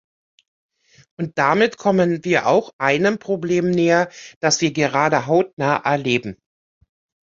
Und damit kommen wir auch einem Problem näher, das wir gerade hautnah erleben.